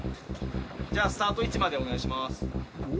じゃあスタート位置までお願いします。